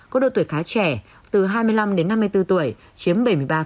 có độ tuổi khá trẻ từ hai mươi năm đến năm mươi bốn tuổi chiếm bảy mươi ba